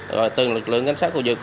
rồi từ lực lượng ngành sát khu vực